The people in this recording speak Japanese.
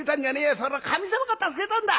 それは神様が助けたんだ！